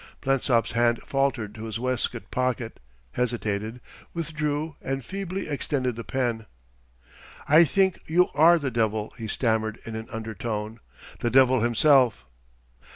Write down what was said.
Blensop's hand faltered to his waistcoat pocket, hesitated, withdrew, and feebly extended the pen. "I think you are the devil," he stammered in an under tone "the devil himself!"